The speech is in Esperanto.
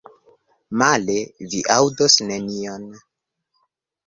Male, vi aŭdos nenion.